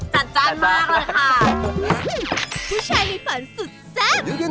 จัดจานมากเลยค่ะ